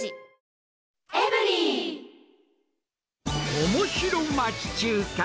おもしろ町中華。